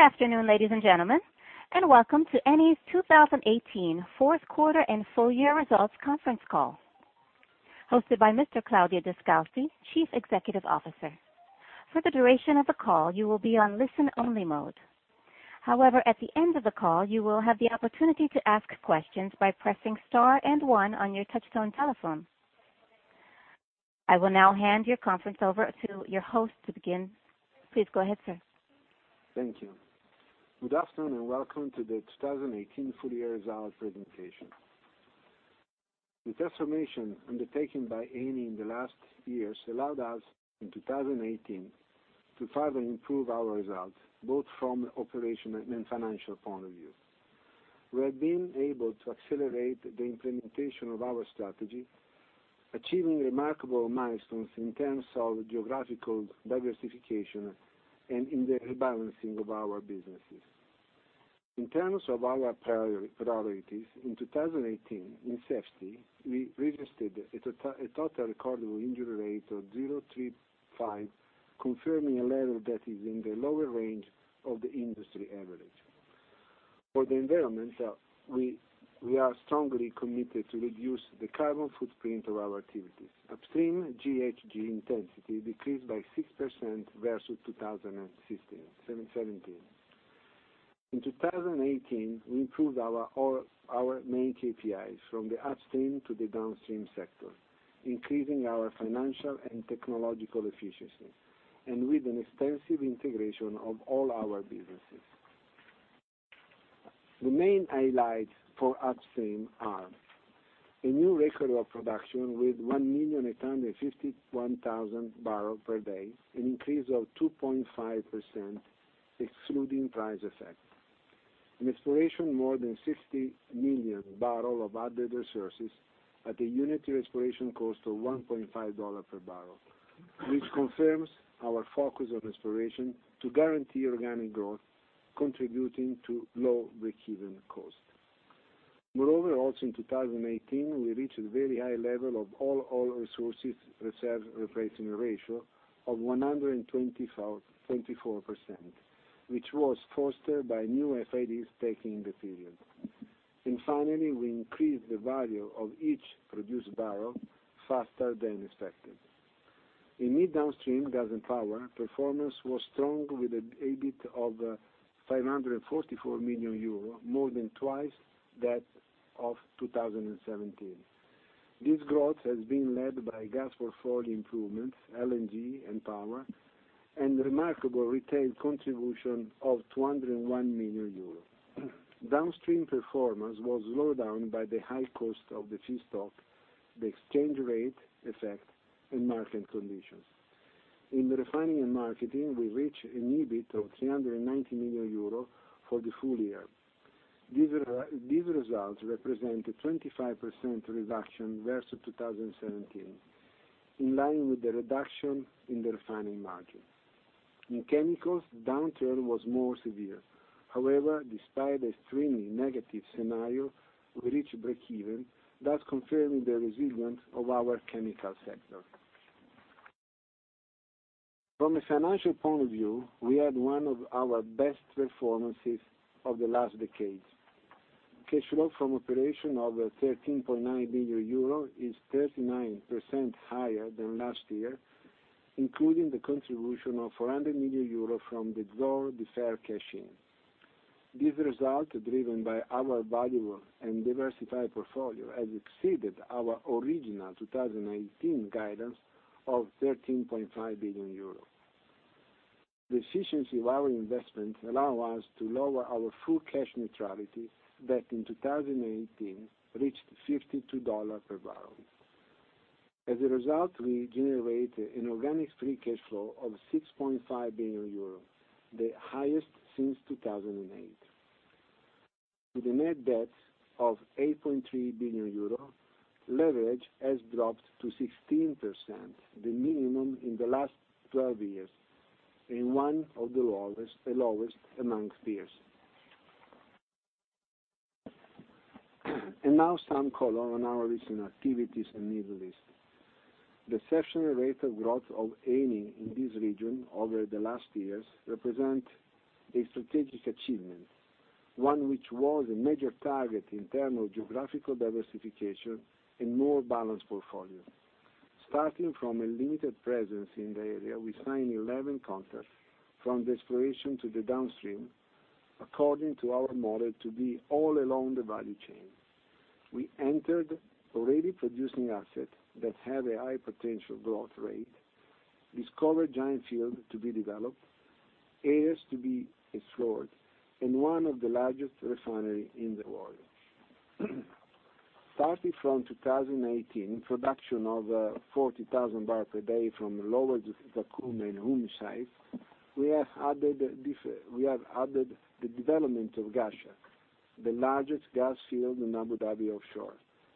Good afternoon, ladies and gentlemen, welcome to Eni's 2018 fourth quarter and full year results conference call, hosted by Mr. Claudio Descalzi, Chief Executive Officer. For the duration of the call, you will be on listen-only mode. However, at the end of the call, you will have the opportunity to ask questions by pressing Star and One on your touchtone telephone. I will now hand your conference over to your host to begin. Please go ahead, sir. Thank you. Good afternoon, welcome to the 2018 full year results presentation. The transformation undertaken by Eni in the last years allowed us, in 2018, to further improve our results, both from an operation and financial point of view. We have been able to accelerate the implementation of our strategy, achieving remarkable milestones in terms of geographical diversification and in the rebalancing of our businesses. In terms of our priorities, in 2018, in safety, we registered a total recordable injury rate of 0.35, confirming a level that is in the lower range of the industry average. For the environment, we are strongly committed to reduce the carbon footprint of our activities. Upstream GHG intensity decreased by 6% versus 2017. In 2018, we improved our main KPIs from the upstream to the downstream sector, increasing our financial and technological efficiency, with an extensive integration of all our businesses. The main highlights for upstream are a new record of production with 1,851,000 barrels per day, an increase of 2.5%, excluding price effect. In exploration, more than 60 million barrels of added resources at a unit exploration cost of $1.5 per barrel, which confirms our focus on exploration to guarantee organic growth, contributing to low breakeven cost. Moreover, also in 2018, we reached a very high level of all oil resources reserve replacing ratio of 124%, which was fostered by new FID taking in the period. Finally, we increased the value of each produced barrel faster than expected. In midstream, gas and power, performance was strong with an EBIT of 544 million euro, more than twice that of 2017. This growth has been led by gas portfolio improvements, LNG, and power, and remarkable retail contribution of 201 million euros. Downstream performance was slowed down by the high cost of the feedstock, the exchange rate effect, and market conditions. In Refining and Marketing, we reached an EBIT of 390 million euro for the full year. These results represent a 25% reduction versus 2017, in line with the reduction in the refining margin. In chemicals, downturn was more severe. However, despite extremely negative scenario, we reached breakeven, thus confirming the resilience of our chemical sector. From a financial point of view, we had one of our best performances of the last decades. Cash flow from operation of 13.9 billion euro is 39% higher than last year, including the contribution of 400 million euro from the Zohr deferred cash-in. This result, driven by our valuable and diversified portfolio, has exceeded our original 2018 guidance of 13.5 billion euros. The efficiency of our investments allow us to lower our full cash neutrality, that in 2018, reached $52 per barrel. As a result, we generated an organic free cash flow of 6.5 billion euro, the highest since 2008. With a net debt of 8.3 billion euro, leverage has dropped to 16%, the minimum in the last 12 years and one of the lowest amongst peers. Now some color on our recent activities in Middle East. The exceptional rate of growth of Eni in this region over the last years represent a strategic achievement, one which was a major target in terms of geographical diversification and more balanced portfolio. Starting from a limited presence in the area, we signed 11 contracts from the exploration to the downstream according to our model to be all along the value chain. We entered already producing asset that had a high potential growth rate, discovered giant field to be developed, areas to be explored, and one of the largest refinery in the world. Starting from 2018, production of 40,000 barrels a day from Lower Zakum and Umm Shaif, we have added the development of Ghasha, the largest gas field in Abu Dhabi offshore.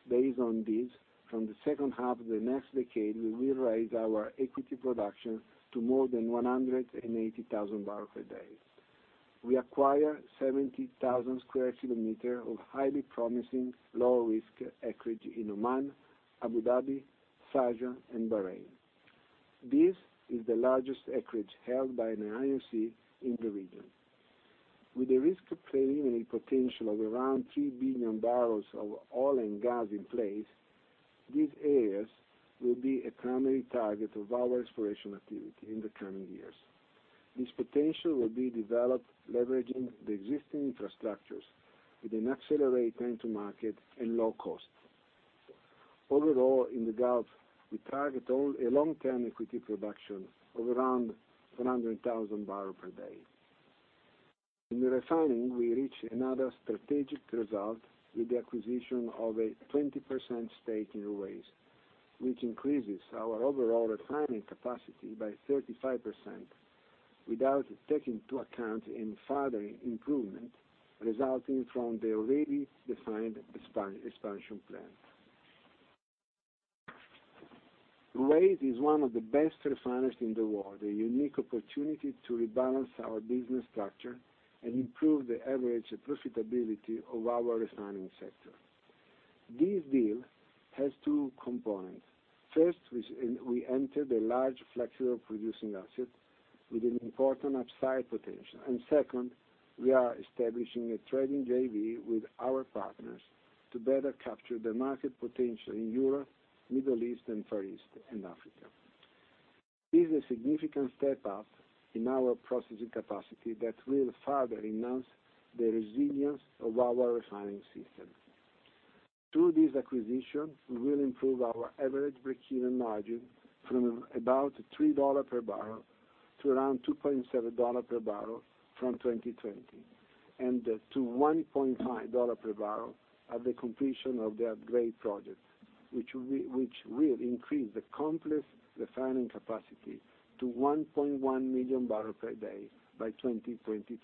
Based on this, from the second half of the next decade, we will raise our equity production to more than 180,000 barrels a day. We acquire 70,000 sq km of highly promising low risk acreage in Oman, Abu Dhabi, Saudi, and Bahrain. This is the largest acreage held by an IOC in the region. With the risk of claiming a potential of around three billion barrels of oil and gas in place, these areas will be a primary target of our exploration activity in the coming years. This potential will be developed leveraging the existing infrastructures with an accelerated time to market and low cost. Overall, in the Gulf, we target a long-term equity production of around 100,000 barrels per day. In refining, we reached another strategic result with the acquisition of a 20% stake in Ruwais, which increases our overall refining capacity by 35%, without taking into account any further improvement resulting from the already defined expansion plan. Ruwais is one of the best refineries in the world, a unique opportunity to rebalance our business structure and improve the average profitability of our refining sector. This deal has two components. First, we enter the large flexible producing asset with an important upside potential. Second, we are establishing a trading JV with our partners to better capture the market potential in Europe, Middle East, and Far East, and Africa. This is a significant step up in our processing capacity that will further enhance the resilience of our refining system. Through this acquisition, we will improve our average break-even margin from about $3 per barrel to around $2.7 per barrel from 2020, and to $1.5 per barrel at the completion of the upgrade project, which will increase the complex refining capacity to 1.1 million barrels per day by 2023.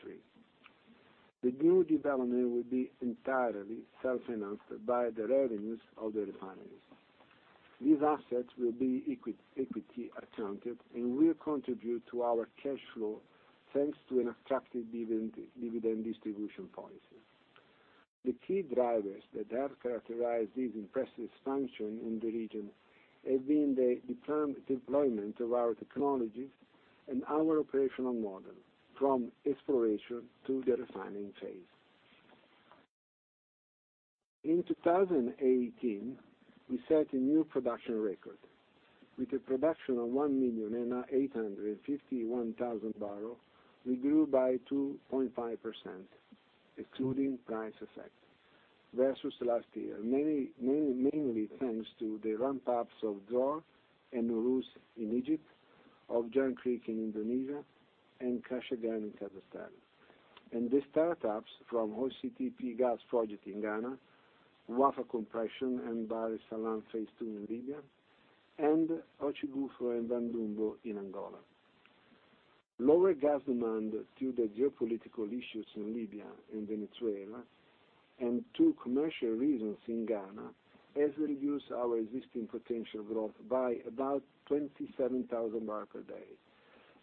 The new development will be entirely self-financed by the revenues of the refineries. These assets will be equity accounted and will contribute to our cash flow, thanks to an attractive dividend distribution policy. The key drivers that have characterized this impressive expansion in the region have been the deployment of our technologies and our operational model, from exploration to the refining phase. In 2018, we set a new production record. With a production of 1,851,000 barrels, we grew by 2.5%, excluding price effect versus last year, mainly thanks to the ramp-ups of Zohr and Nooros in Egypt, of Jangkrik in Indonesia, and Kashagan in Kazakhstan. The startups from OCTP gas project in Ghana, Wafa Compression and Bahr Essalam Phase Two in Libya, and Ochigufu and Ndungu in Angola. Lower gas demand due to the geopolitical issues in Libya and Venezuela, and to commercial reasons in Ghana, has reduced our existing potential growth by about 27,000 barrels per day.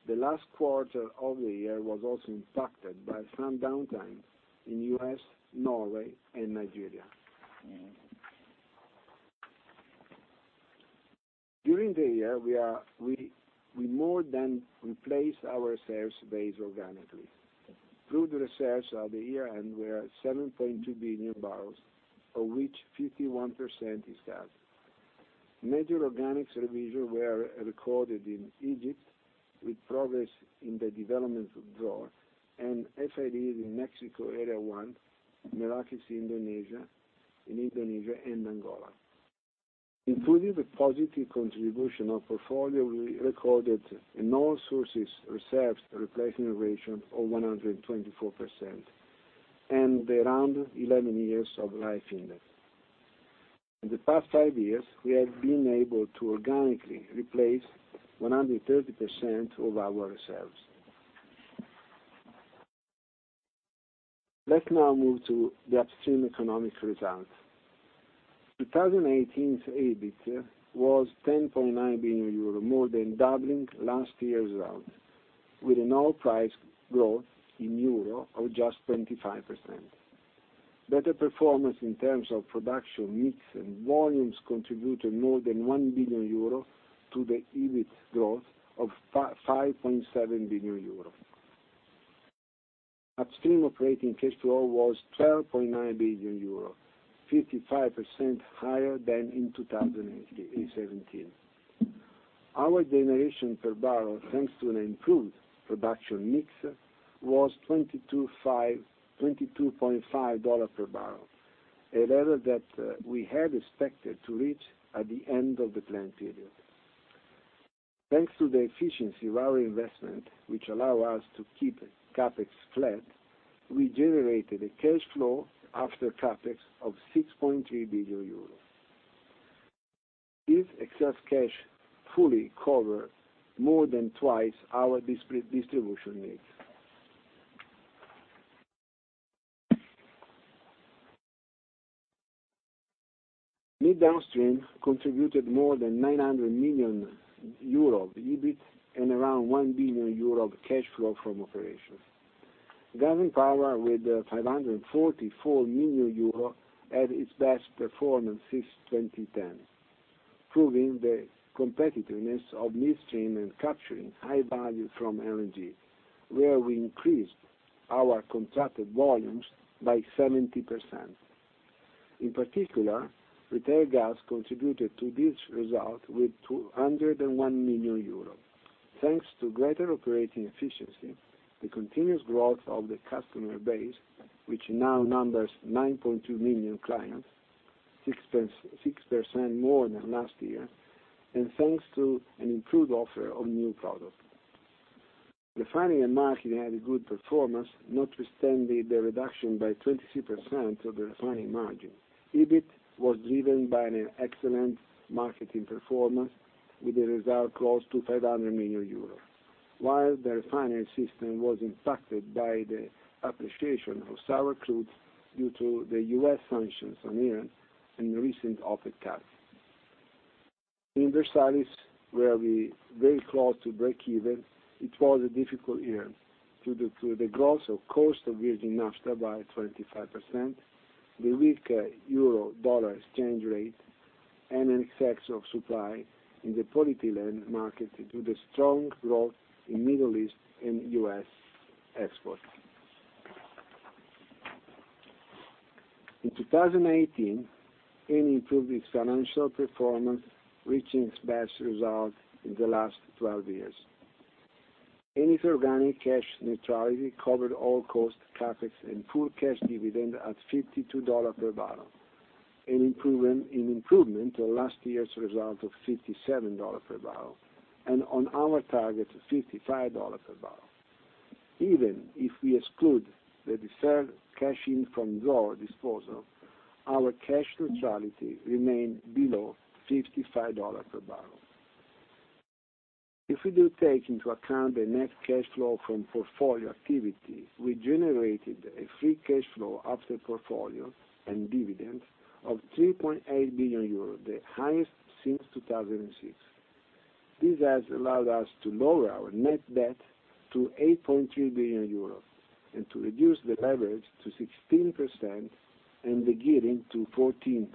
The last quarter of the year was also impacted by some downtime in the U.S., Norway, and Nigeria. During the year, we more than replaced our sales base organically. Proved reserves at the year-end were 7.2 billion barrels, of which 51% is gas. Major organic reserves were recorded in Egypt, with progress in the development of Zohr, and FID in Mexico Area 1, Merakes in Indonesia, and Angola. Including the positive contribution of portfolio, we recorded in all sources reserves replacement ratio of 124%, and around 11 years of life index. In the past five years, we have been able to organically replace 130% of our reserves. Let's now move to the upstream economic results. 2018's EBIT was 10.9 billion euro, more than doubling last year's result, with an oil price growth in euro of just 25%. Better performance in terms of production mix and volumes contributed more than 1 billion euro to the EBIT growth of 5.7 billion euro. Upstream operating cash flow was 12.9 billion euro, 55% higher than in 2017. Our generation per barrel, thanks to an improved production mix, was $22.5 per barrel, a level that we had expected to reach at the end of the plan period. Thanks to the efficiency of our investment, which allow us to keep CapEx flat, we generated a cash flow after CapEx of 6.3 billion euros. This excess cash fully covered more than twice our distribution needs. Midstream contributed more than 900 million euro EBIT and around 1 billion euro cash flow from operations. Gas and Power with 544 million euro had its best performance since 2010, proving the competitiveness of midstream and capturing high value from energy, where we increased our contracted volumes by 70%. In particular, retail gas contributed to this result with 201 million euros. Thanks to greater operating efficiency, the continuous growth of the customer base, which now numbers 9.2 million clients, 6% more than last year, and thanks to an improved offer of new products. Refining and Marketing had a good performance, notwithstanding the reduction by 23% of the refining margin. EBIT was driven by an excellent marketing performance, with a result close to 500 million euros, while the refinery system was impacted by the appreciation of sour crude due to the U.S. sanctions on Iran and the recent OPEC cut. In Versalis, where we are very close to break even, it was a difficult year due to the growth of cost of virgin naphtha by 25%, the weaker euro/dollar exchange rate, and an excess of supply in the polyolefin market due to the strong growth in Middle East and U.S. export. In 2018, Eni improved its financial performance, reaching its best result in the last 12 years. Eni's organic cash neutrality covered all costs, CapEx, and full cash dividend at $52 per barrel, an improvement on last year's result of $57 per barrel, and on our target of $55 per barrel. Even if we exclude the deferred cash-in from Zohr disposal, our cash neutrality remained below $55 per barrel. If we do take into account the net cash flow from portfolio activity, we generated a free cash flow after portfolio and dividends of €3.8 billion, the highest since 2006. This has allowed us to lower our net debt to €8.3 billion, and to reduce the leverage to 16% and the gearing to 14%.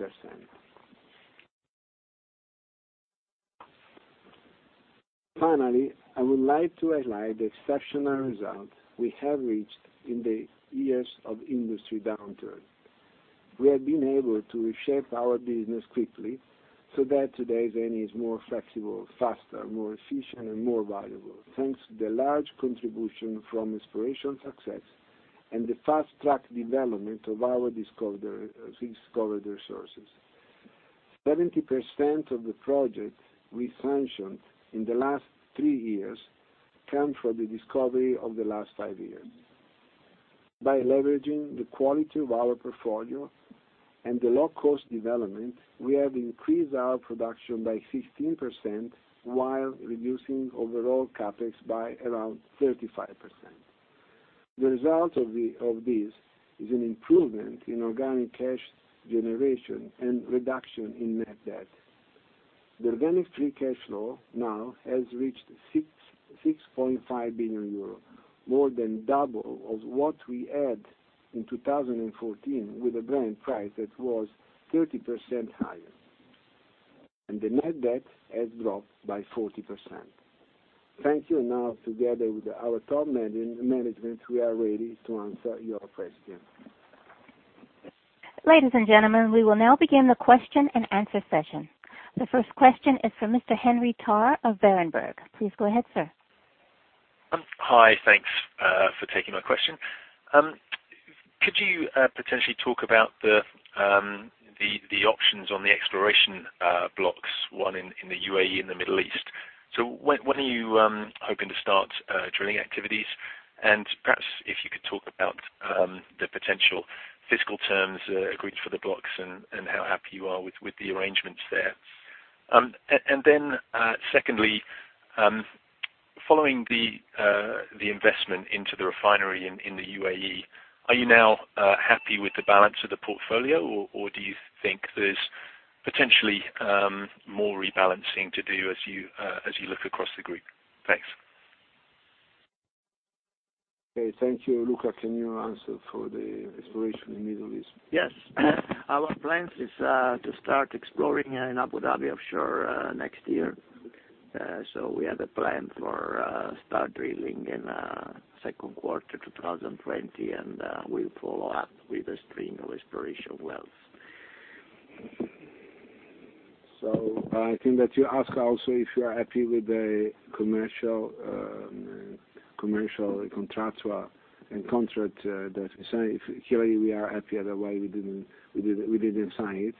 Finally, I would like to highlight the exceptional results we have reached in the years of industry downturn. We have been able to reshape our business quickly so that today Eni is more flexible, faster, more efficient, and more valuable, thanks to the large contribution from exploration success and the fast-track development of our discovered resources. 70% of the projects we sanctioned in the last three years came from the discovery of the last five years. By leveraging the quality of our portfolio and the low-cost development, we have increased our production by 15% while reducing overall CapEx by around 35%. The result of this is an improvement in organic cash generation and reduction in net debt. The organic free cash flow now has reached €6.5 billion, more than double of what we had in 2014 with a Brent price that was 30% higher. The net debt has dropped by 40%. Thank you. Now, together with our top management, we are ready to answer your questions. Ladies and gentlemen, we will now begin the question and answer session. The first question is from Mr. Henry Tarr of Berenberg. Please go ahead, sir. Hi. Thanks for taking my question. Could you potentially talk about the options on the exploration blocks, one in the U.A.E. and the Middle East? When are you hoping to start drilling activities? Perhaps if you could talk about the potential fiscal terms agreed for the blocks and how happy you are with the arrangements there. Secondly, following the investment into the refinery in the U.A.E., are you now happy with the balance of the portfolio, or do you think there's potentially more rebalancing to do as you look across the group? Thanks. Okay, thank you. Luca, can you answer for the exploration in Middle East? Yes. Our plan is to start exploring in Abu Dhabi offshore next year. We have a plan for start drilling in 2Q 2020, we'll follow up with a stream of exploration wells. I think that you ask also if we are happy with the commercial contract. Clearly, we are happy, otherwise we didn't sign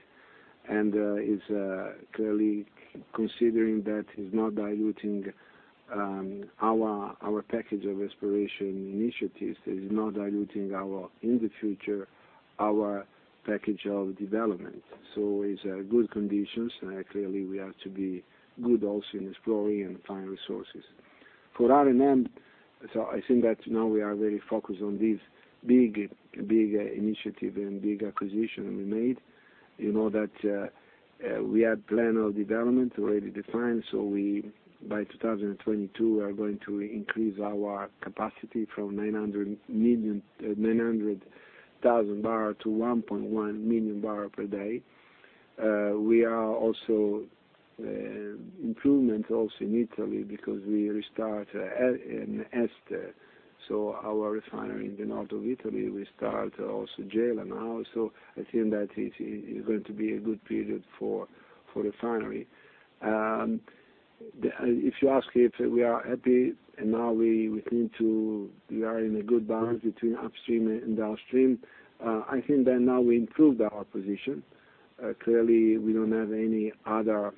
it. Clearly considering that it's not diluting our package of exploration initiatives. It is not diluting, in the future, our package of development. It's good conditions. Clearly, we have to be good also in exploring and find resources. For R&M, I think that now we are very focused on this. Big initiative and big acquisition we made. You know that we had plan of development already defined. By 2022, we are going to increase our capacity from 900,000 barrel to 1.1 million barrel per day. We are improvement also in Italy because we restart in Sannazzaro. Our refinery in the north of Italy, we start also Gela and also I think that it is going to be a good period for refinery. If you ask if we are happy and now we think we are in a good balance between upstream and downstream, I think that now we improved our position. Clearly, we don't have any other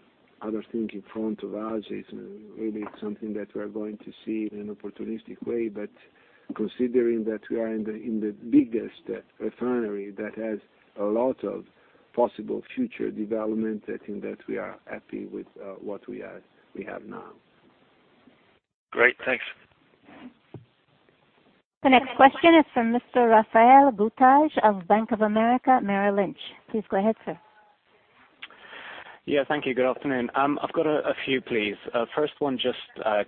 things in front of us. Maybe it's something that we are going to see in an opportunistic way, but considering that we are in the biggest refinery that has a lot of possible future development, I think that we are happy with what we have now. Great. Thanks. The next question is from Mr. Raphael Bouteille of Bank of America, Merrill Lynch. Please go ahead, sir. Thank you. Good afternoon. I've got a few, please. First one, just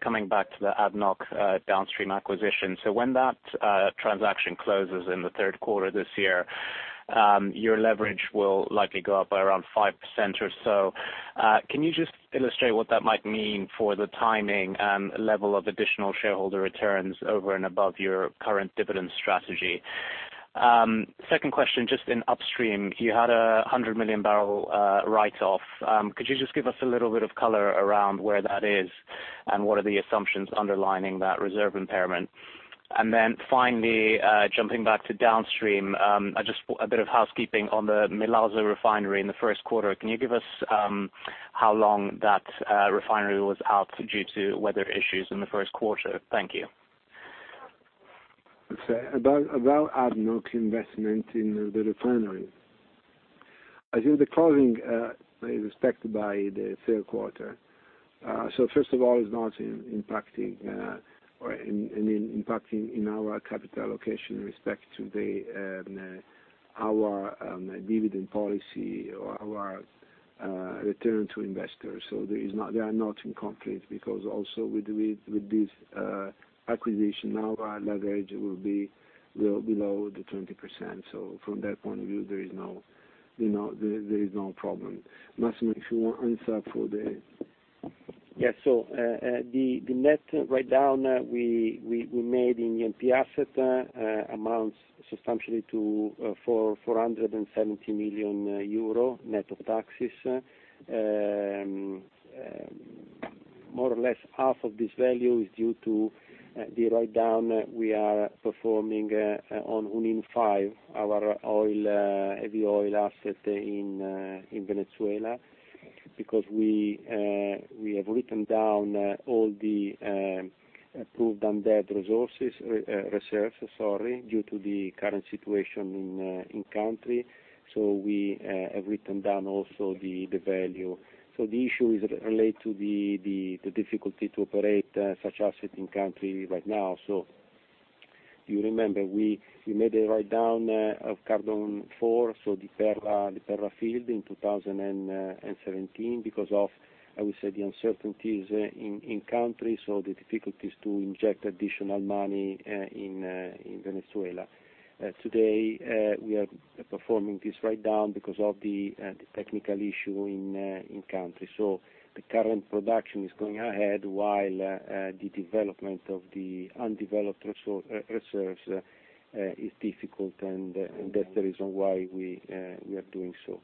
coming back to the ADNOC downstream acquisition. When that transaction closes in the third quarter this year, your leverage will likely go up by around 5% or so. Can you just illustrate what that might mean for the timing and level of additional shareholder returns over and above your current dividend strategy? Second question, just in upstream, you had a 100 million barrel write-off. Could you just give us a little bit of color around where that is and what are the assumptions underlining that reserve impairment? And then finally, jumping back to downstream, just a bit of housekeeping on the Milazzo refinery in the first quarter. Can you give us how long that refinery was out due to weather issues in the first quarter? Thank you. About ADNOC investment in the refinery. I think the closing is expected by the third quarter. First of all, it's not impacting in our capital allocation in respect to our dividend policy or our return to investors. They are not in conflict because also with this acquisition, now our leverage will be below the 20%. From that point of view, there is no problem. Massimo, if you want answer for the Yeah. The net write-down we made in the NP asset amounts substantially to 470 million euro net of taxes. More or less half of this value is due to the write-down we are performing on Junín 5, our heavy oil asset in Venezuela because we have written down all the proved undeveloped reserves due to the current situation in country. We have written down also the value. The issue is related to the difficulty to operate such asset in country right now. You remember, we made a write-down of Cardon IV, the Perla field in 2017 because of, I would say, the uncertainties in country. The difficulties to inject additional money in Venezuela. Today, we are performing this write-down because of the technical issue in country. The current production is going ahead while the development of the undeveloped resource reserves is difficult, and that's the reason why we are doing so.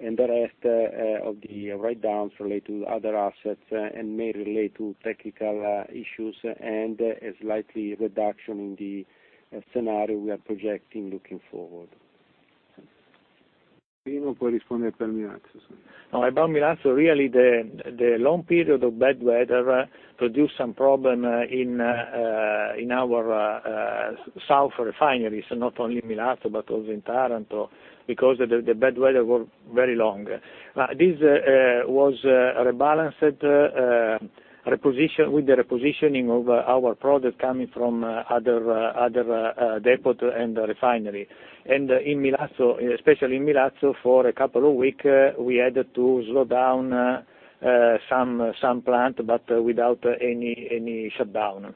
The rest of the write-downs relate to other assets and may relate to technical issues and a slight reduction in the scenario we are projecting looking forward. About Milazzo, really the long period of bad weather produced some problems in our south refineries, not only in Milazzo, but also in Taranto, because the bad weather was very long. This was rebalanced with the repositioning of our products coming from other depots and refinery. Especially in Milazzo, for a couple of weeks, we had to slow down some plant, but without any shutdown.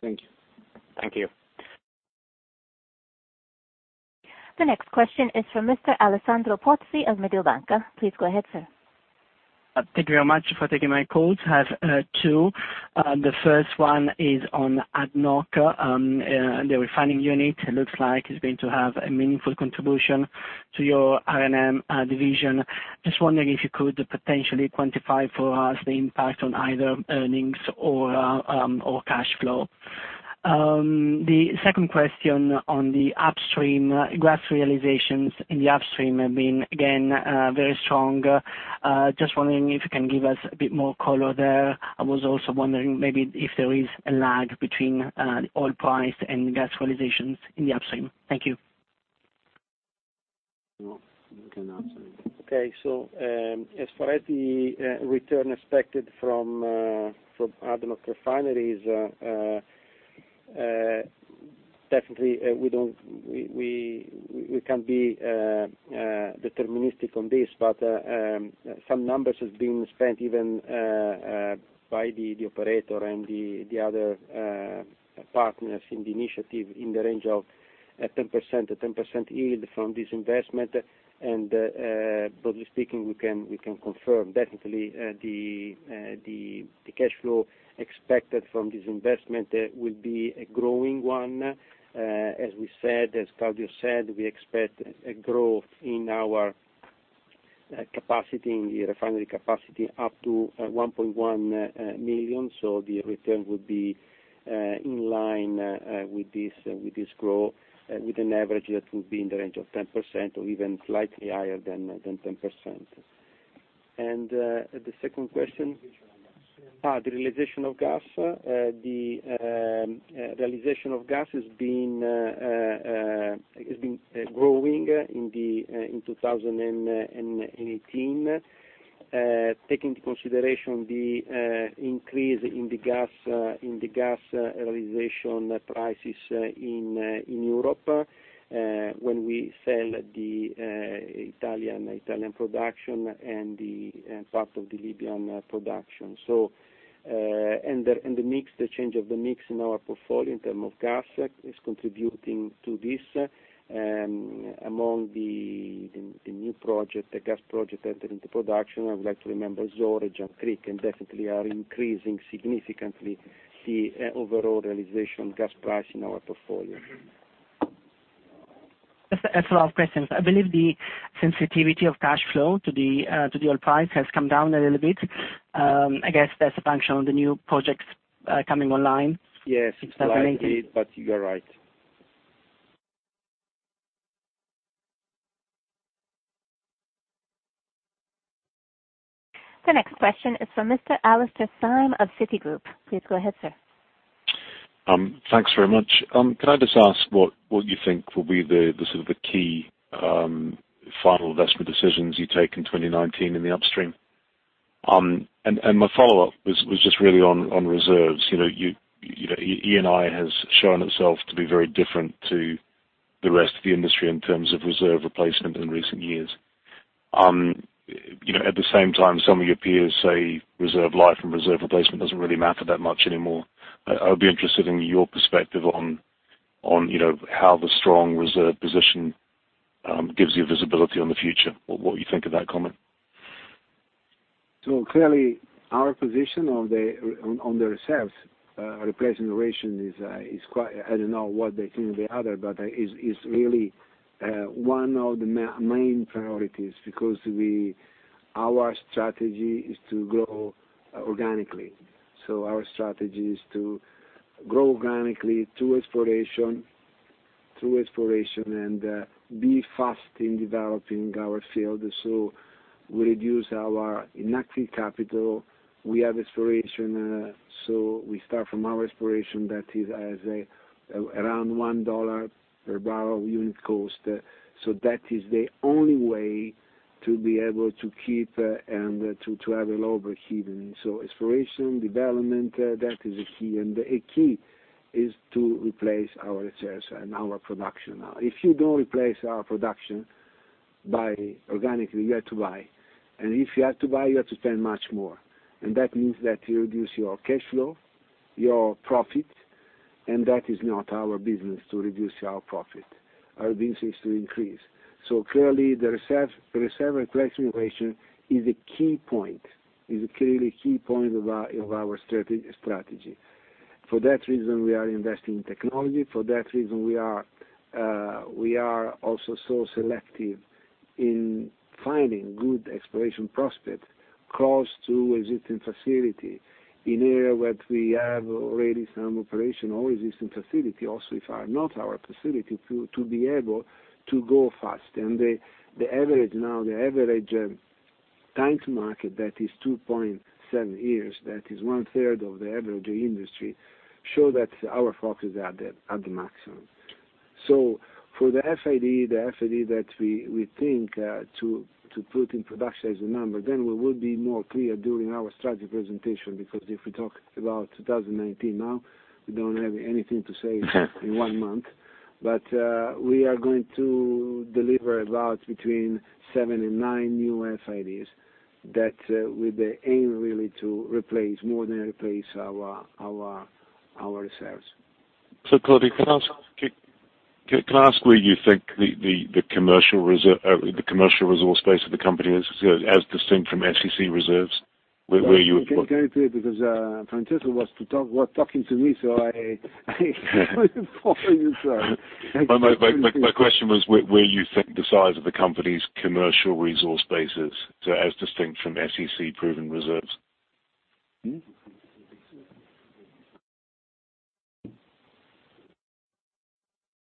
Thank you. The next question is from Mr. Alessandro Pozzi of Mediobanca. Please go ahead, sir. Thank you very much for taking my calls, have two. The first one is on ADNOC, the refining unit. It looks like it is going to have a meaningful contribution to your R&M division. Just wondering if you could potentially quantify for us the impact on either earnings or cash flow. The second question on the upstream gas realizations in the upstream have been again, very strong. Just wondering if you can give us a bit more color there. I was also wondering maybe if there is a lag between the oil price and gas realizations in the upstream. Thank you. Okay. As far as the return expected from ADNOC refineries, definitely we can be deterministic on this, but some numbers has been spent even by the operator and the other partners in the initiative in the range of 10% yield from this investment. Broadly speaking, we can confirm definitely the cash flow expected from this investment will be a growing one. As Claudio said, we expect a growth in our refinery capacity up to 1.1 million. The return would be in line with this growth, with an average that will be in the range of 10% or even slightly higher than 10%. The second question? The realization of gas. The realization of gas has been growing in 2018. Take into consideration the increase in the gas realization prices in Europe, when we sell the Italian production and part of the Libyan production. The change of the mix in our portfolio in terms of gas is contributing to this. Among the new project, the gas project entered into production. I would like to remember Zohr and Jangkrik definitely are increasing significantly the overall realization gas price in our portfolio. That's a lot of questions. I believe the sensitivity of cash flow to the oil price has come down a little bit. I guess that's a function of the new projects coming online. Yes, slightly. You are right. The next question is from Mr. Alastair Syme of Citigroup. Please go ahead, sir. Thanks very much. Can I just ask what you think will be the sort of the key final investment decisions you take in 2019 in the upstream? My follow-up was just really on reserves. Eni has shown itself to be very different to the rest of the industry in terms of reserve replacement in recent years. At the same time, some of your peers say reserve life and reserve replacement doesn't really matter that much anymore. I would be interested in your perspective on how the strong reserve position gives you visibility on the future, or what you think of that comment. Clearly, our position on the reserves replacement duration is quite, I don't know what they think the other, but is really one of the main priorities because our strategy is to grow organically. Our strategy is to grow organically through exploration, and be fast in developing our field. We reduce our inactive capital. We start from our exploration that is around $1 per barrel unit cost. That is the only way to be able to keep and to have a lower hedging. Exploration, development, that is a key, and a key is to replace our reserves and our production. Now, if you don't replace our production by organically, you have to buy. If you have to buy, you have to spend much more. That means that you reduce your cash flow, your profit, and that is not our business to reduce our profit. Our business is to increase. Clearly, the reserve replacement duration is a key point, is a clearly key point of our strategy. For that reason, we are investing in technology. For that reason, we are also so selective in finding good exploration prospect close to existing facility in area where we have already some operation or existing facility also if are not our facility to be able to go fast. The average now, the average time to market, that is 2.7 years, that is one third of the average industry, show that our focus is at the maximum. For the FID, the FID that we think to put in production as a number. We will be more clear during our strategy presentation, because if we talk about 2019 now, we don't have anything to say in one month. We are going to deliver about between seven and nine new FIDs that with the aim really to more than replace our reserves. Claudio, can I ask where you think the commercial resource base of the company is, as distinct from SEC reserves? Going to it, because Francesco was talking to me, I was following you, sir. My question was where you think the size of the company's commercial resource base is, as distinct from SEC proven reserves?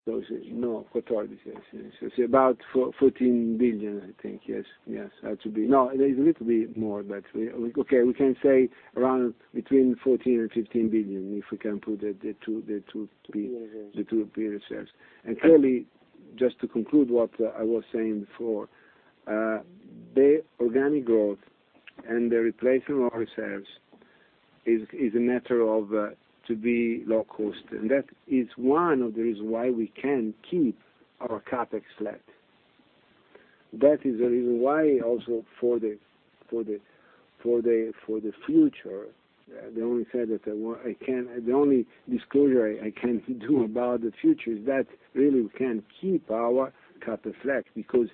14. About 14 billion, I think. Yes. A little bit more, we can say around between 14 and 15 billion. Billions The two billion reserves. Clearly, just to conclude what I was saying before, the organic growth and the replacement of reserves It is a matter of to be low cost. That is one of the reasons why we can keep our CapEx flat. That is the reason why, also for the future, the only disclosure I can do about the future is that really we can keep our CapEx flat because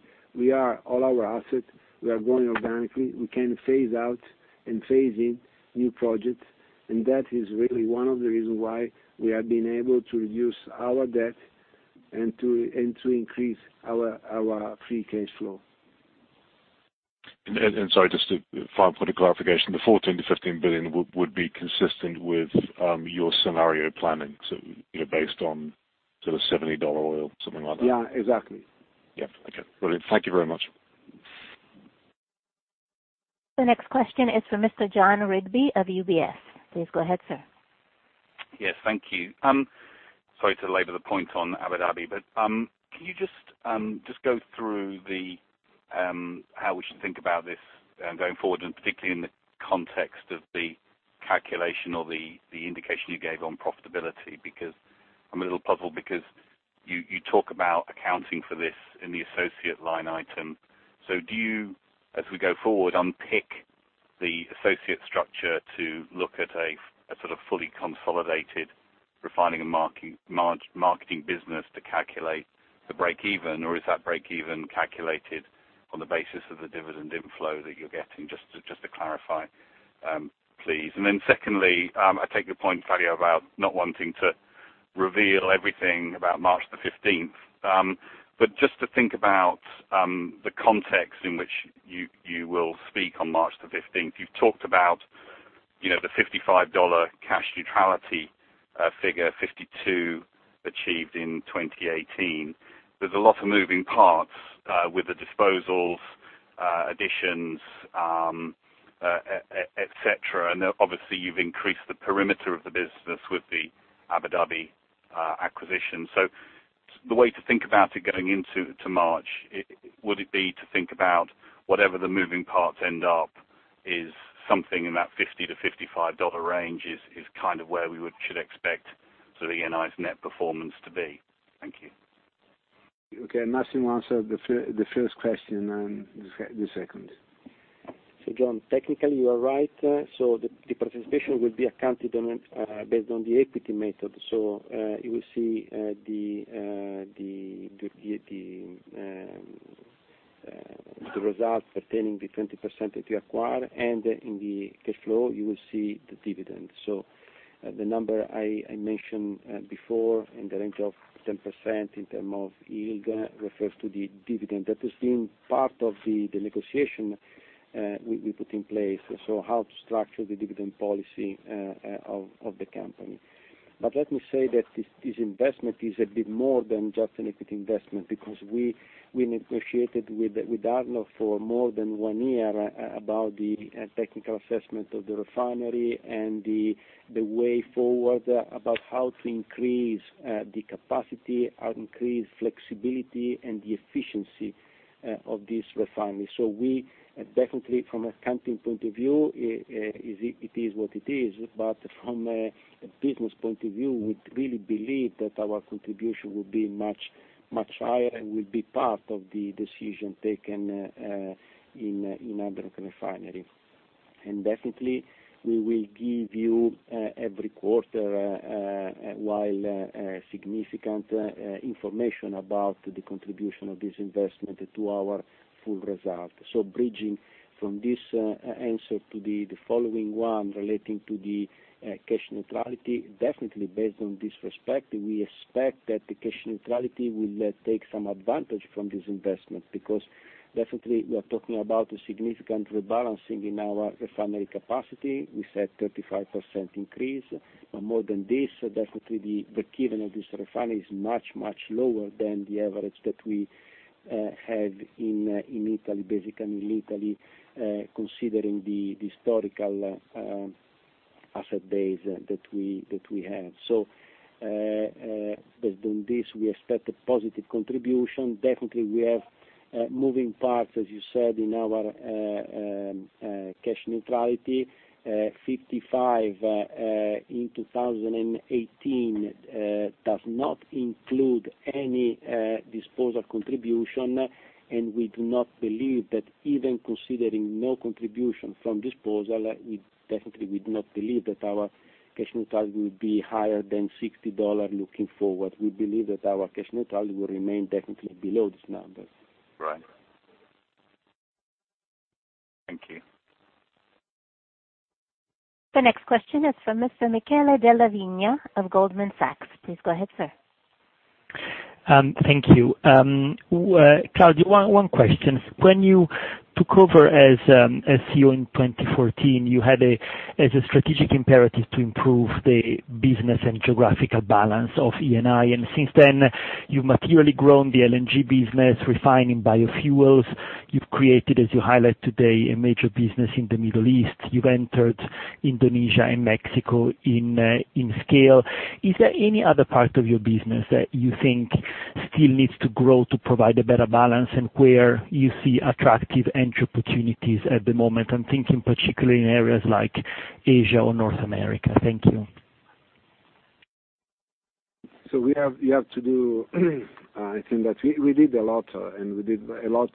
all our assets, we are growing organically. We can phase out and phase in new projects. That is really one of the reasons why we have been able to reduce our debt and to increase our free cash flow. Sorry, just a final point of clarification, the 14 billion-15 billion would be consistent with your scenario planning, so based on sort of EUR 70 oil, something like that? Yeah, exactly. Yeah. Okay, brilliant. Thank you very much. The next question is for Mr. Jon Rigby of UBS. Please go ahead, sir. Yes, thank you. Sorry to labor the point on Abu Dhabi, can you just go through how we should think about this going forward, particularly in the context of the calculation or the indication you gave on profitability? I'm a little puzzled you talk about accounting for this in the associate line item. Do you, as we go forward, unpick the associate structure to look at a sort of fully consolidated Refining and Marketing business to calculate the break-even, or is that break-even calculated on the basis of the dividend inflow that you're getting? Just to clarify, please. Secondly, I take your point, Claudio, about not wanting to reveal everything about March 15th. Just to think about the context in which you will speak on March 15th. You've talked about the $55 cash neutrality figure, $52 achieved in 2018. There's a lot of moving parts with the disposals, additions, et cetera. Obviously you've increased the perimeter of the business with the Abu Dhabi acquisition. The way to think about it going into March, would it be to think about whatever the moving parts end up is something in that $50-$55 range is kind of where we should expect sort of Eni's net performance to be? Thank you. Okay. Massimo will answer the first question, the second. Jon, technically you are right. The participation will be accounted based on the equity method. You will see the results pertaining the 20% that you acquire. In the cash flow, you will see the dividend. The number I mentioned before in the range of 10% in terms of yield refers to the dividend. That has been part of the negotiation we put in place. How to structure the dividend policy of the company. Let me say that this investment is a bit more than just an equity investment because we negotiated with ADNOC for more than one year about the technical assessment of the refinery and the way forward about how to increase the capacity, how to increase flexibility, and the efficiency of this refinery. We definitely, from accounting point of view, it is what it is. From a business point of view, we really believe that our contribution will be much higher and will be part of the decision taken in Abu Dhabi refinery. Definitely, we will give you every quarter, while significant information about the contribution of this investment to our full result. Bridging from this answer to the following one relating to the cash neutrality, definitely based on this respect, we expect that the cash neutrality will take some advantage from this investment, because definitely we are talking about a significant rebalancing in our refinery capacity. We said 35% increase. More than this, definitely the break even of this refinery is much, much lower than the average that we have in Italy, basically in Italy, considering the historical asset base that we have. Based on this, we expect a positive contribution. Definitely, we have moving parts, as you said, in our cash neutrality. 55 in 2018 does not include any disposal contribution. We do not believe that even considering no contribution from disposal, definitely we do not believe that our cash neutrality will be higher than $60 looking forward. We believe that our cash neutrality will remain definitely below this number. Right. Thank you. The next question is from Mr. Michele Della Vigna of Goldman Sachs. Please go ahead, sir. Thank you. Claudio, one question. When you took over as CEO in 2014, you had as a strategic imperative to improve the business and geographical balance of Eni. Since then you've materially grown the LNG business, refining biofuels. You've created, as you highlight today, a major business in the Middle East. You've entered Indonesia and Mexico in scale. Is there any other part of your business that you think still needs to grow to provide a better balance, and where you see attractive entry opportunities at the moment? I'm thinking particularly in areas like Asia or North America. Thank you. We have to do I think that we did a lot, and we did a lot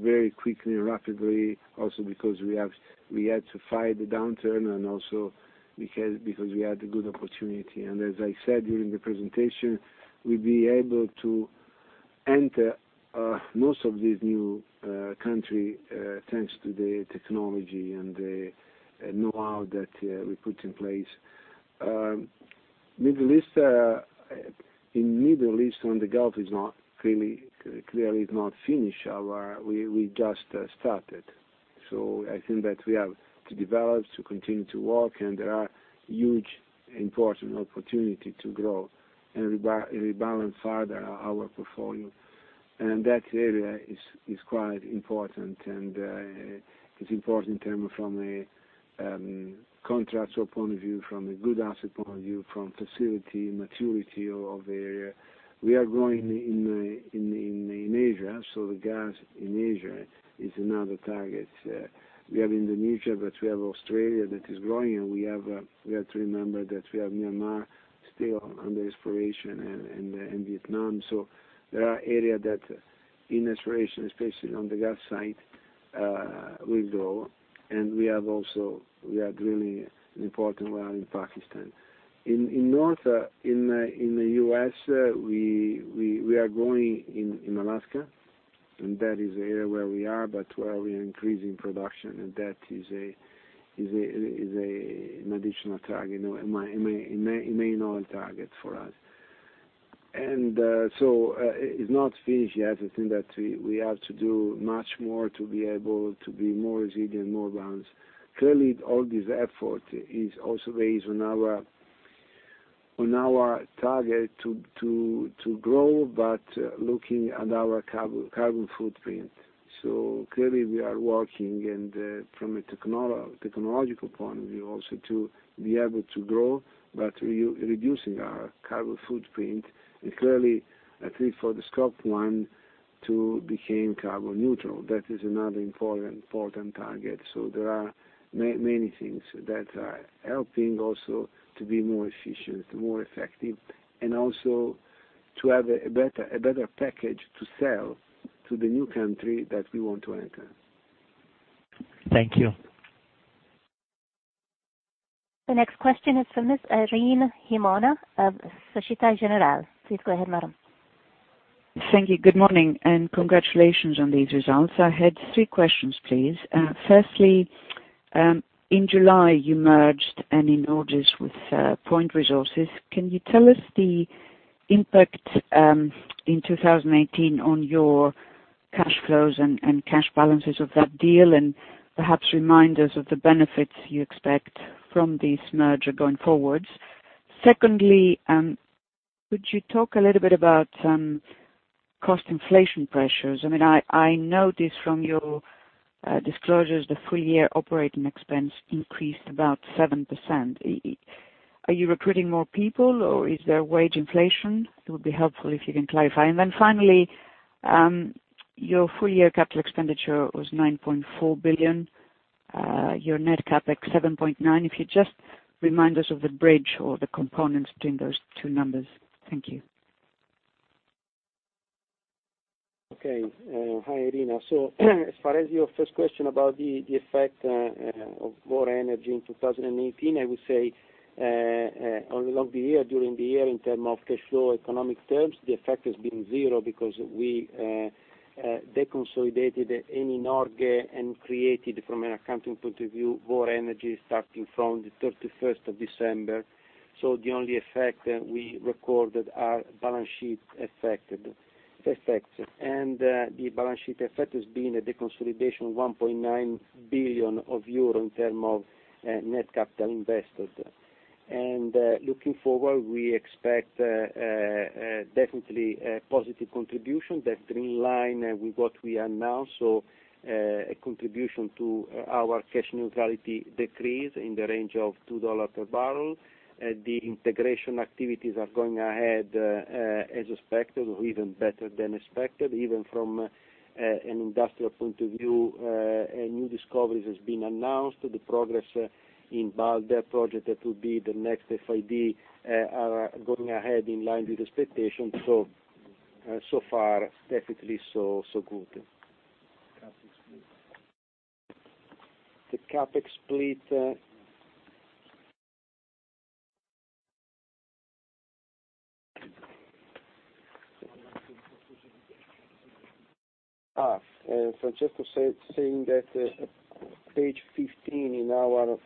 very quickly, rapidly also because we had to fight the downturn and also because we had a good opportunity. As I said during the presentation, we'll be able to enter most of these new country, thanks to the technology and the know-how that we put in place. Middle East, in Middle East on the Gulf is not clearly is not finished. We just started. I think that we have to develop, to continue to work, and there are huge important opportunity to grow and rebalance further our portfolio. That area is quite important, and it's important in term from a contractual point of view, from a good asset point of view, from facility, maturity of the area. We are growing in Asia, so the gas in Asia is another target. We have Indonesia, we have Australia that is growing, and we have to remember that we have Myanmar still under exploration, and Vietnam. There are area that in exploration, especially on the gas side, will grow. We have also, we are drilling an important well in Pakistan. In North, in the U.S., we are growing in Alaska, and that is the area where we are, but where we are increasing production, and that is an additional target, a main oil target for us. It's not finished yet. I think that we have to do much more to be able to be more resilient, more balanced. Clearly, all this effort is also based on our target to grow, but looking at our carbon footprint. Clearly, we are working, from a technological point of view also to be able to grow, reducing our carbon footprint, clearly, at least for the Scope 1, to become carbon neutral. That is another important target. There are many things that are helping also to be more efficient, more effective, and also to have a better package to sell to the new country that we want to enter. Thank you. The next question is from Ms. Irene Himona of Société Générale. Please go ahead, madam. Thank you. Good morning, congratulations on these results. I had three questions, please. Firstly, in July, you merged Eni Norge with Point Resources. Can you tell us the impact, in 2018, on your cash flows and cash balances of that deal, and perhaps remind us of the benefits you expect from this merger going forwards? Secondly, could you talk a little bit about cost inflation pressures? I noticed from your disclosures the full-year operating expense increased about 7%. Are you recruiting more people, or is there wage inflation? It would be helpful if you can clarify. Finally, your full-year capital expenditure was 9.4 billion. Your net CapEx 7.9. If you just remind us of the bridge or the components between those two numbers. Thank you. Hi, Irene. As far as your first question about the effect of Vår Energi in 2018, I would say, along the year, during the year, in terms of cash flow economic terms, the effect has been zero because we deconsolidated Eni Norge and created, from an accounting point of view, Vår Energi starting from the 31st of December. The only effect we recorded are balance sheet effects. The balance sheet effect has been a deconsolidation of 1.9 billion euro in terms of net capital invested. Looking forward, we expect definitely a positive contribution that remains in line with what we announced. A contribution to our cash neutrality decrease in the range of $2 per barrel. The integration activities are going ahead as expected, or even better than expected. Even from an industrial point of view, a new discovery has been announced. The progress in Balder project that will be the next FID are going ahead in line with expectations. So far definitely so good. CapEx split. The CapEx split. Francesco saying that page 15 in our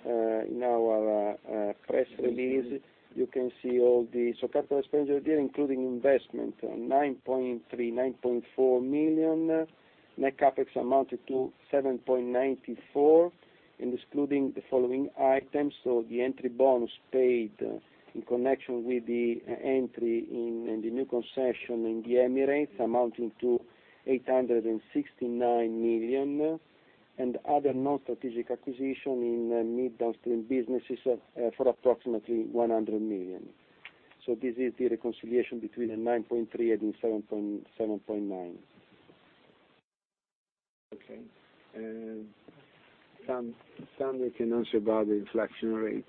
press release, you can see all the capital expenditure there, including investment, 9.3 million, 9.4 million. Net CapEx amounted to 7.94 billion, excluding the following items: The entry bonus paid in connection with the entry in the new concession in the Emirates amounting to 869 million. Other non-strategic acquisition in mid downstream businesses for approximately 100 million. This is the reconciliation between the 9.3 and the 7.9. Okay. Sam, can answer about the inflation rate.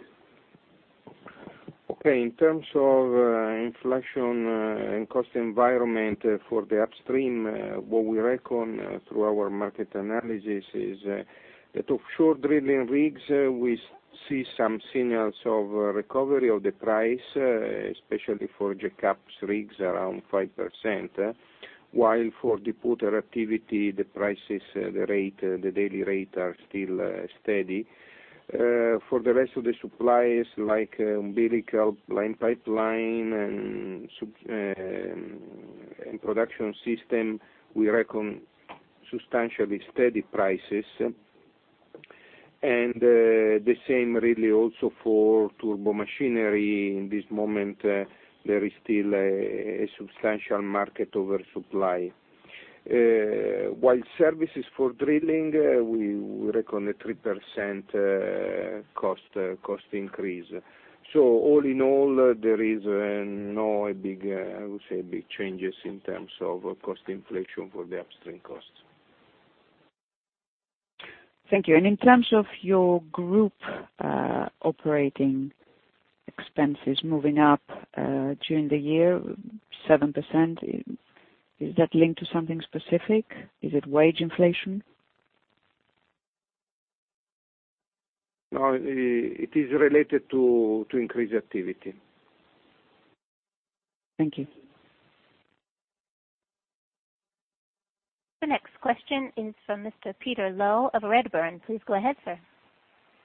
Okay. In terms of inflation and cost environment for the upstream, what we reckon through our market analysis is that offshore drilling rigs, we see some signals of recovery of the price, especially for jackups rigs, around 5%, while for the floater activity, the prices, the daily rate are still steady. For the rest of the supplies, like umbilical, blind pipeline, and production system, we reckon substantially steady prices. The same really also for turbomachinery. In this moment, there is still a substantial market oversupply. While services for drilling, we reckon a 3% cost increase. All in all, there is no, I would say, big changes in terms of cost inflation for the upstream costs. Thank you. In terms of your group operating expenses moving up during the year 7%, is that linked to something specific? Is it wage inflation? No, it is related to increased activity. Thank you. The next question is from Mr. Peter Low of Redburn. Please go ahead, sir.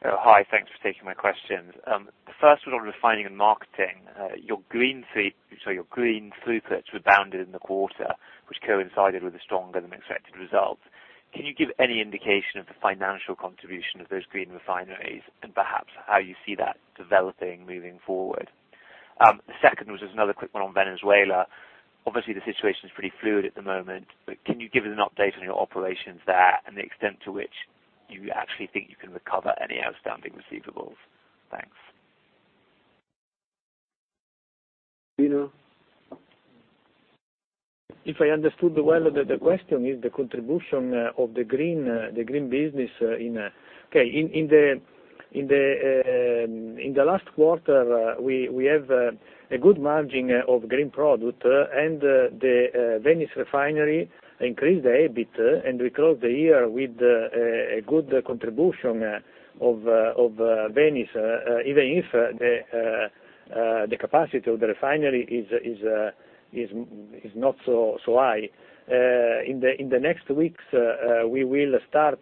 Hi, thanks for taking my questions. The first one on Refining & Marketing. Your green throughputs rebounded in the quarter, which coincided with a stronger than expected result. Can you give any indication of the financial contribution of those green refineries and perhaps how you see that developing moving forward? The second was just another quick one on Venezuela. Obviously, the situation is pretty fluid at the moment, but can you give us an update on your operations there and the extent to which you actually think you can recover any outstanding receivables? Thanks. Peter? If I understood well, the question is the contribution of the green business. Okay. In the last quarter, we have a good margin of green product, and the Venice refinery increased the EBIT, and we closed the year with a good contribution of Venice, even if the capacity of the refinery is not so high. In the next weeks, we will start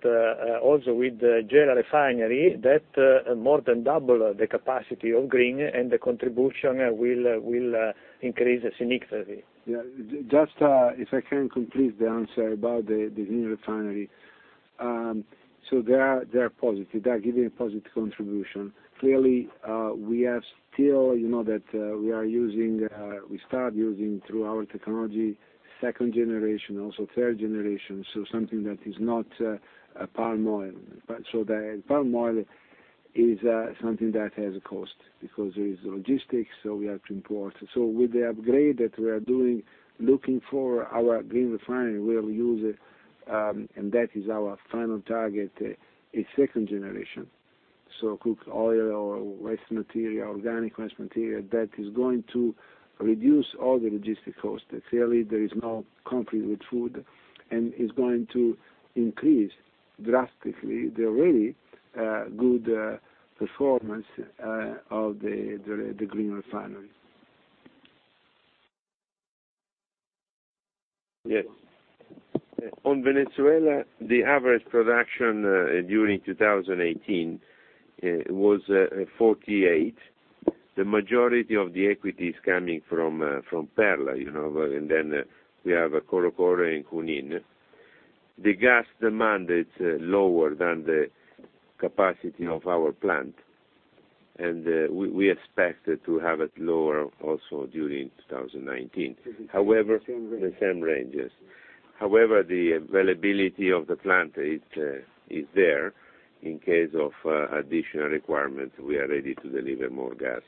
also with the Genoa refinery, that more than double the capacity of green, and the contribution will increase significantly. Yeah. Just if I can complete the answer about the Venice refinery. They are positive. They are giving a positive contribution. Clearly, we have still, you know that we start using through our technology, second generation, also third generation, something that is not palm oil. The palm oil is something that has a cost because there is logistics, we have to import. With the upgrade that we are doing, looking for our green refinery, we'll use, and that is our final target, is second generation. Cooked oil or waste material, organic waste material, that is going to reduce all the logistic costs. Clearly, there is no compete with food, and it's going to increase drastically the already good performance of the green refinery. Yes. On Venezuela, the average production during 2018 was 48. The majority of the equity is coming from Perla. We have Corocoro and Junín. The gas demand is lower than the capacity of our plant, and we expect to have it lower also during 2019. The same range. The same range, yes. However, the availability of the plant is there. In case of additional requirements, we are ready to deliver more gas.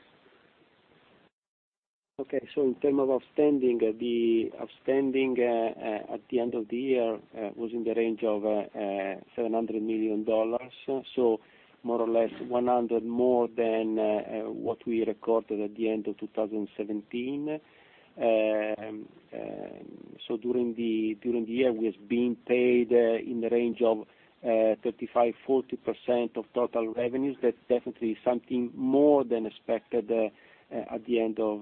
In term of outstanding, the outstanding at the end of the year was in the range of EUR 700 million, more or less 100 more than what we recorded at the end of 2017. During the year, we have been paid in the range of 35%-40% of total revenues. That's definitely something more than expected at the end of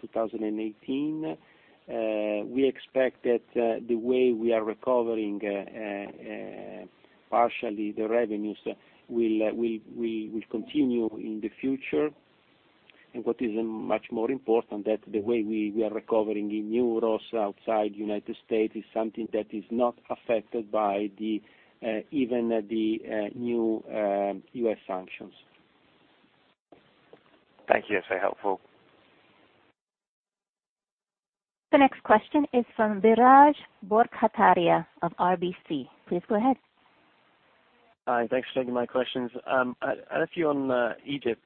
2018. We expect that the way we are recovering partially the revenues will continue in the future. What is much more important, that the way we are recovering in euros outside U.S. is something that is not affected by even the new U.S. sanctions. Thank you. That's very helpful. The next question is from Biraj Borkhataria of RBC. Please go ahead. Hi, thanks for taking my questions. I had a few on Egypt.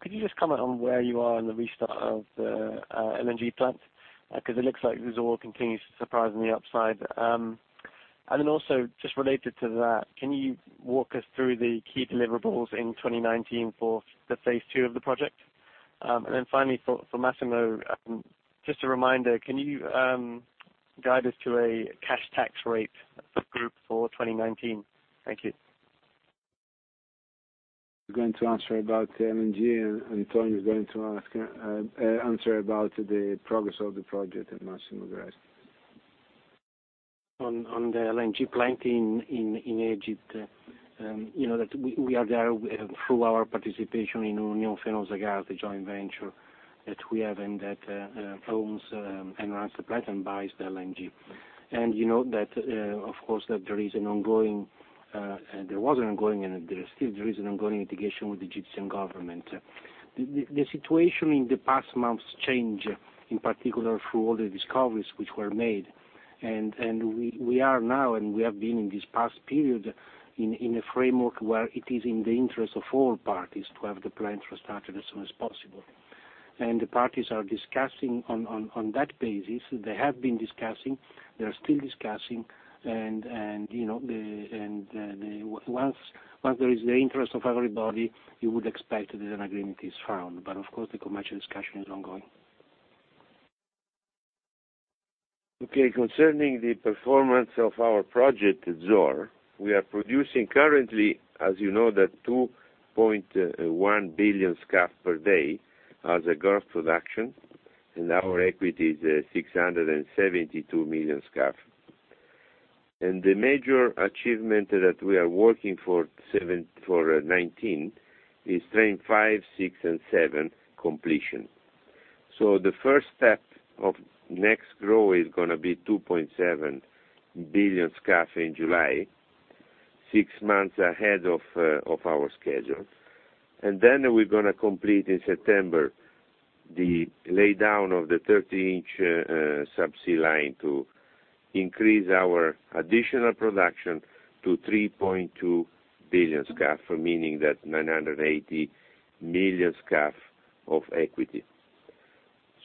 Could you just comment on where you are in the restart of the LNG plant? It looks like this all continues to surprise on the upside. Just related to that, can you walk us through the key deliverables in 2019 for the phase 2 of the project? For Massimo, just a reminder, can you guide us to a cash tax rate for group for 2019? Thank you. I'm going to answer about LNG. Antonio is going to answer about the progress of the project. Massimo the rest. On the LNG plant in Egypt, we are there through our participation in Unión Fenosa Gas, the joint venture that we have and that owns and runs the plant and buys the LNG. You know, of course, that there was an ongoing, and there still is an ongoing litigation with the Egyptian government. The situation in the past months changed, in particular, through all the discoveries which were made. We are now, and we have been in this past period, in a framework where it is in the interest of all parties to have the plant restarted as soon as possible. The parties are discussing on that basis. They have been discussing, they are still discussing, and once there is the interest of everybody, you would expect that an agreement is found. Of course, the commercial discussion is ongoing. Concerning the performance of our project at Zohr, we are producing currently, as you know, that 2.1 billion scf per day as a gross production, and our equity is 672 million scf. The major achievement that we are working for 2019 is train five, six, and seven completion. The first step of next grow is going to be 2.7 billion scf in July, six months ahead of our schedule. We're going to complete in September, the laydown of the 30-inch subsea line to increase our additional production to 3.2 billion scf, meaning that 980 million scf of equity.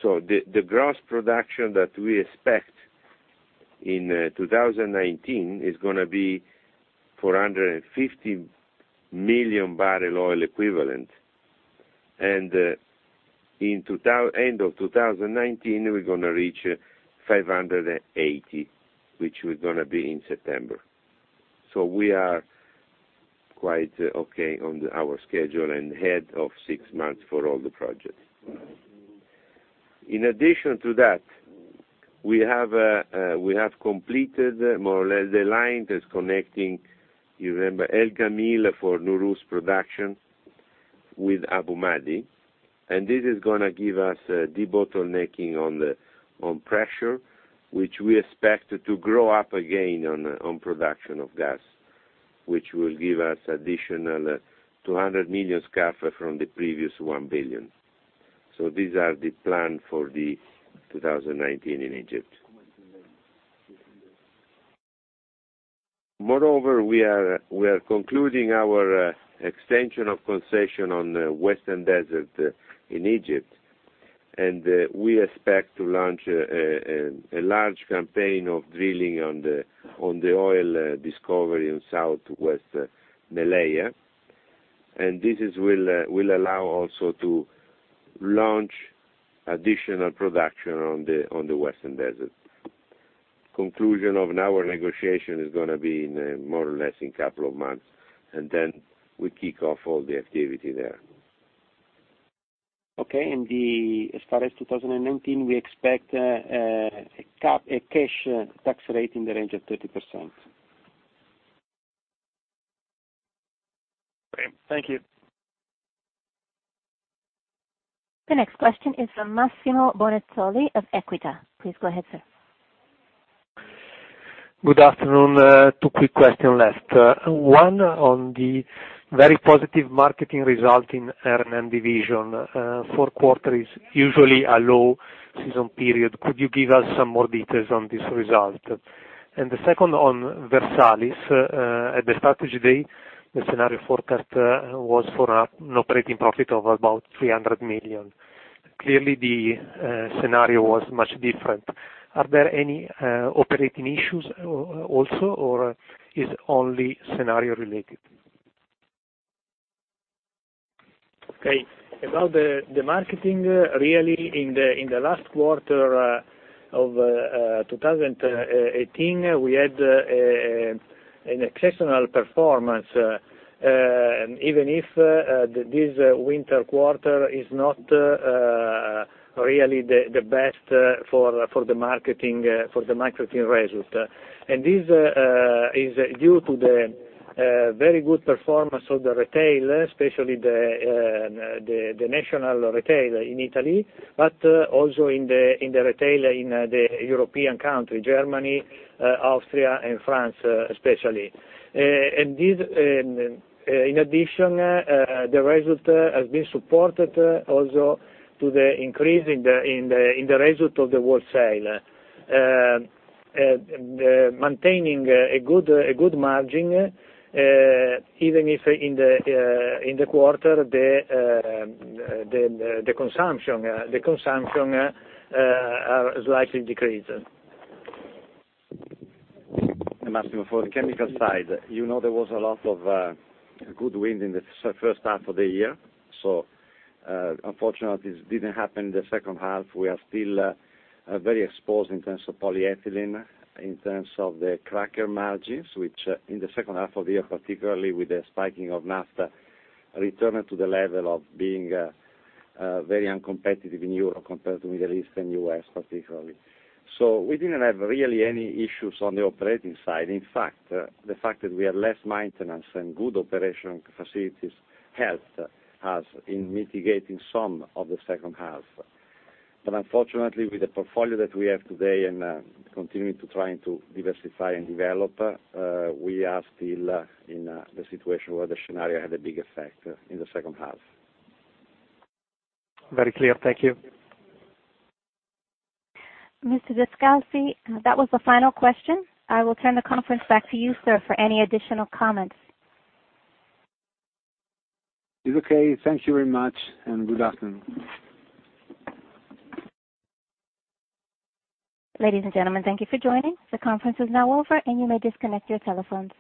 The gross production that we expect in 2019 is going to be 450 million barrel oil equivalent. In end of 2019, we're going to reach 580, which we're going to be in September. We are quite okay on our schedule and ahead of six months for all the projects. In addition to that, we have completed more or less the line that's connecting, you remember, El Gamil for Nooros production with Abu Madi, and this is going to give us the bottlenecking on pressure, which we expect to grow up again on production of gas. Which will give us additional 200 million scf from the previous 1 billion. These are the plan for the 2019 in Egypt. Moreover, we are concluding our extension of concession on Western Desert in Egypt, and we expect to launch a large campaign of drilling on the oil discovery in South West Meleiha. This will allow also to launch additional production on the Western Desert. Conclusion of our negotiation is going to be more or less in couple of months, and then we kick off all the activity there. Okay, as far as 2019, we expect a cash tax rate in the range of 30%. Great. Thank you. The next question is from Massimo Bonisoli of Equita. Please go ahead, sir. Good afternoon. Two quick question left. One, on the very positive marketing result in R&M division. Fourth quarter is usually a low season period. Could you give us some more details on this result? The second on Versalis. At the start of today, the scenario forecast was for an operating profit of about 300 million. Clearly, the scenario was much different. Are there any operating issues also, or is only scenario related? Okay. About the marketing, really in the last quarter of 2018, we had an exceptional performance, even if this winter quarter is not really the best for the marketing result. This is due to the very good performance of the retail, especially the national retail in Italy, but also in the retail in the European country, Germany, Austria, and France especially. In addition, the result has been supported also to the increase in the result of the wholesale, maintaining a good margin, even if in the quarter, the consumption slightly decreased. Massimo, for the chemical side, you know there was a lot of good wind in the first half of the year. Unfortunately, this didn't happen in the second half. We are still very exposed in terms of polyethylene, in terms of the cracker margins, which in the second half of the year, particularly with the spiking of Naphtha, returned to the level of being very uncompetitive in Europe compared to Middle East and U.S. particularly. We didn't have really any issues on the operating side. In fact, the fact that we had less maintenance and good operation facilities helped us in mitigating some of the second half. Unfortunately, with the portfolio that we have today and continuing to trying to diversify and develop, we are still in the situation where the scenario had a big effect in the second half. Very clear. Thank you. Mr. Descalzi, that was the final question. I will turn the conference back to you, sir, for any additional comments. It's okay. Thank you very much, and good afternoon. Ladies and gentlemen, thank you for joining. The conference is now over, and you may disconnect your telephones.